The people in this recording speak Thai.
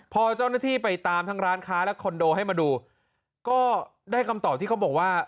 พอเจ้าหน้าที่ไปตามทั้งร้านค้าและคอนโดให้มาดูก็ได้คำตอบที่เขาบอกว่า